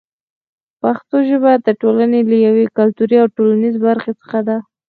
پښتو ژبه د ټولنې له یوې کلتوري او ټولنیزې برخې څخه ده.